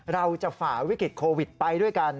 ฝ่าวิกฤตโควิดไปด้วยกัน